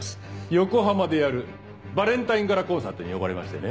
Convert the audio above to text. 横浜でやるバレンタイン・ガラ・コンサートに呼ばれましてね。